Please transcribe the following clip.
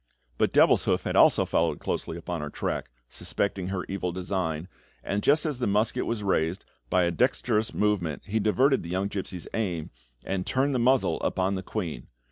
But Devilshoof had also followed closely upon her track, suspecting her evil design, and just as the musket was raised, by a dexterous movement he diverted the young gipsy's aim, and turned the muzzle upon the queen.